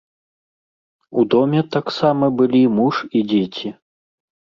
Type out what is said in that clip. У доме таксама былі муж і дзеці.